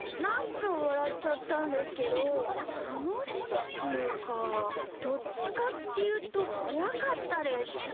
なんかわらっちゃったんですけどたのしいっていうかどっちかっていうとこわかったです。